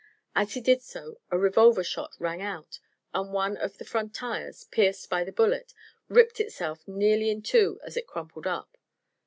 As he did so a revolver shot rang out and one of the front tires, pierced by the bullet, ripped itself nearly in two as it crumpled up.